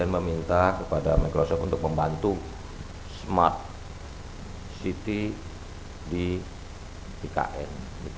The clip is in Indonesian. meminta kepada microsoft untuk membantu smart city di ikn